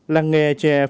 là nghề chè phú yên